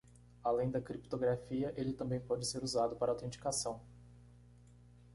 Além da criptografia?, ele também pode ser usado para autenticação.